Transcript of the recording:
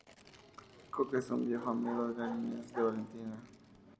Coque es un viejo amigo de la niñez de Valentina.